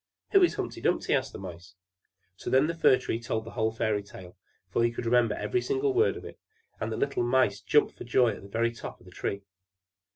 "Who is Humpy Dumpy?" asked the Mice. So then the Fir Tree told the whole fairy tale, for he could remember every single word of it; and the little Mice jumped for joy up to the very top of the Tree.